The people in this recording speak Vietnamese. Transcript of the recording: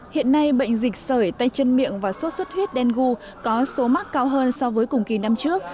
hiện nay bệnh dịch sởi tay chân miệng và sốt xuất huyết đen gu có số mắc cao hơn so với cùng kỳ năm trước